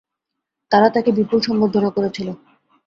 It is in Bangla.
তারা তাঁকে বিপুল সম্বর্ধনা করেছিল।